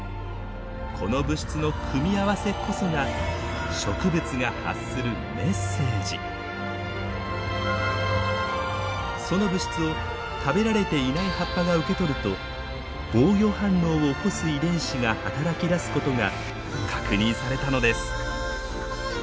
この物質の組み合わせこそがその物質を食べられていない葉っぱが受け取ると防御反応を起こす遺伝子が働きだすことが確認されたのです。